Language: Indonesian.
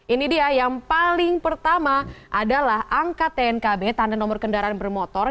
ini dia yang paling pertama adalah angka tnkb tanda nomor kendaraan bermotor